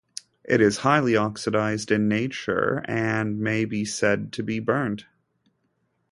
It is highly oxidised in nature and may be said to be burnt.